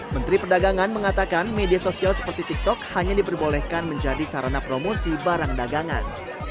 menteri perdagangan mengatakan media sosial seperti tiktok hanya diperbolehkan menjadi sarana promosi barang dagangan